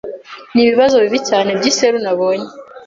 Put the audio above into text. Nibibazo bibi cyane byiseru nabonye.